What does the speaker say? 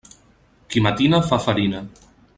Qui matina, fa farina.